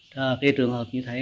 cái trường hợp như thế